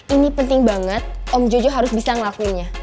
ini penting banget om jojo harus bisa ngelakuinnya